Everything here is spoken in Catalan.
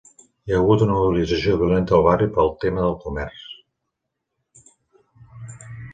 Hi ha hagut una mobilització violenta al barri pel tema del comerç.